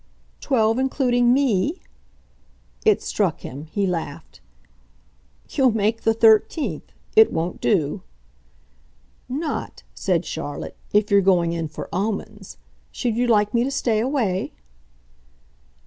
"Twelve including ME?" It struck him he laughed. "You'll make the thirteenth. It won't do!" "Not," said Charlotte, "if you're going in for 'omens.' Should you like me to stay away?"